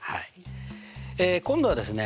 え今度はですね